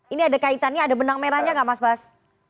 ini ada kaitannya ada benang merahnya nggak mas bas